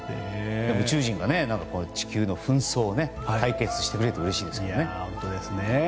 宇宙人が地球の紛争を解決してくれるとうれしいですけどね。